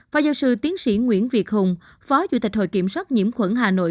phó giáo sư tiến sĩ nguyễn việt hùng phó chủ tịch hội kiểm soát nhiễm khuẩn hà nội